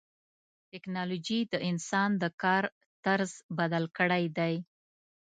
ټکنالوجي د انسان د کار طرز بدل کړی دی.